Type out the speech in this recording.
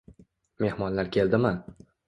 Mehmonlar keldimi?